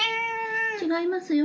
違いますよ。